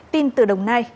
tin từ đồng nai